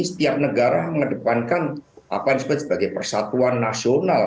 setiap negara mengedepankan apa yang disebut sebagai persatuan nasional